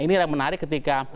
ini yang menarik ketika